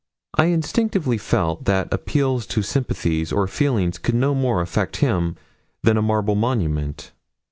I instinctively felt that appeals to sympathies or feelings could no more affect him than a marble monument.